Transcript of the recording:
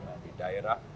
mana yang di daerah